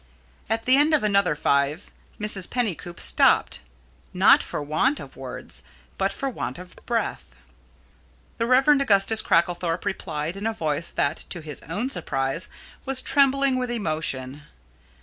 At the end of another five Mrs. Pennycoop stopped, not for want of words, but for want of breath. The Rev. Augustus Cracklethorpe replied in a voice that, to his own surprise, was trembling with emotion.